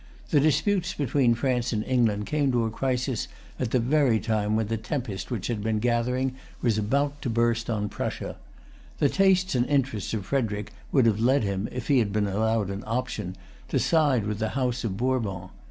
The disputes between France and England came to a crisis at the very time when the tempest which had been gathering was about to burst on Prussia. The tastes and interests of Frederic would have led him, if he had been allowed an option, to side with the House of Bourbon.